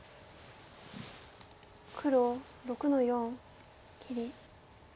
黒６の四切り。